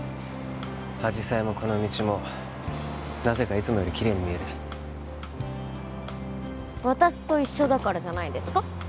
あじさいもこの道もなぜかいつもよりキレイに見える私と一緒だからじゃないですか？